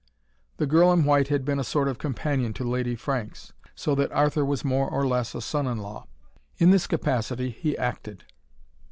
The girl in white had been a sort of companion to Lady Franks, so that Arthur was more or less a son in law. In this capacity, he acted.